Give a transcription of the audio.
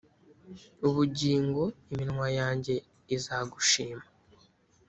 ubugingo iminwa yanjye izagushima